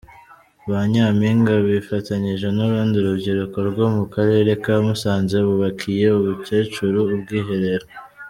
Ba Nyampinga bifatanyije n'urundi rubyiruko rwo mu karere ka Musanze bubakiye umukecuru ubwiherero.